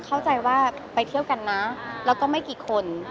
เข้าใจว่าไปเที่ยวกันนะแล้วก็ไม่กี่คน